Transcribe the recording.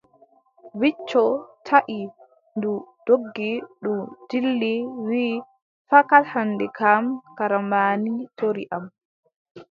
Wicco taʼi, ndu doggi, ndu dilli, wii : fakat hannde kam, karambaani torri am.